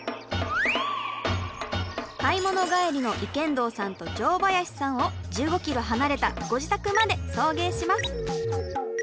買い物帰りの池筒さんと城林さんを１５キロ離れたご自宅まで送迎します。